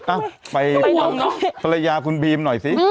อ้าวไปภรรยาคุณบีมหน่อยสิอ้าวไปน้องน้อง